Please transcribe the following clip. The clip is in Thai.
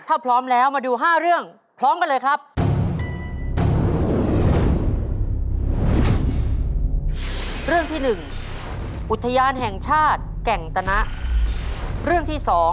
ถ้าพร้อมแล้วมาดู๕เรื่อง